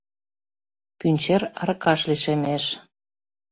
Пӱнчер аркаш лишемеш;